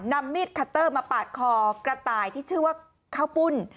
นำมีดคัตเตอร์มาปาดคอกระต่ายที่ชื่อว่าข้าวปุ้น